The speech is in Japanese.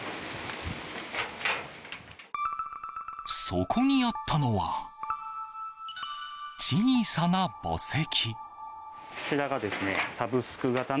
そこにあったのは小さな墓石。